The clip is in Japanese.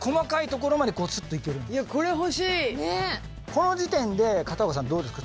この時点で片岡さんどうですか？